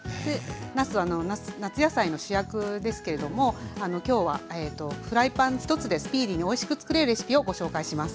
なすは夏野菜の主役ですけれども今日はフライパン１つでスピーディーにおいしくつくれるレシピをご紹介します。